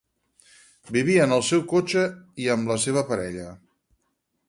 Vivia en el seu cotxe i amb la seva parella.